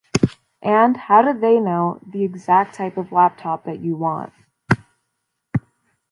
And, how did they know the exact type of laptop that you want?